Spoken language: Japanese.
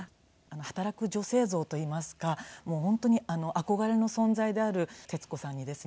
働く女性像といいますかもう本当に憧れの存在である徹子さんにですね